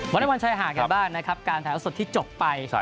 วันวันชายหาดแก่บ้านนะครับการถ่ายอาวุธสดที่จบไป